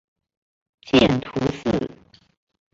见图四。